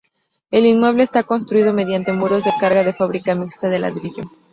El inmueble está construido mediante muros de carga de fábrica mixta de ladrillo.